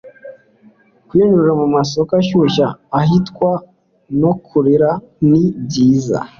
Kwinjira mu masoko ashyushye ahitwa Norikura ni byiza.